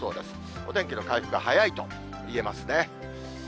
お天気の回復は早いといえますね。